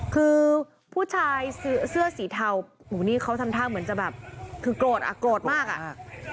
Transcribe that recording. คือผู้ชายเสื้อสีเทาหูนี่เขาทำท่าเหมือนจะแบบคือโกรธอ่ะโกรธมากอ่ะ